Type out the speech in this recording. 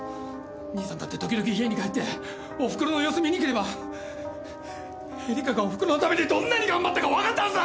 兄さんだって時々家に帰っておふくろの様子見に来れば恵利香がおふくろのためにどんなに頑張ったかわかったはずだ！